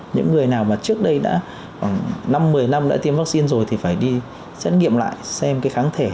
những người nào mà trước đây đã khoảng năm một mươi năm đã tiêm vắc xin rồi thì phải đi chấn nghiệm lại xem cái kháng thể